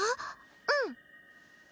うん。